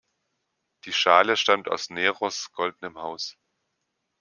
Die Schale stammt aus Neros Goldenem Haus.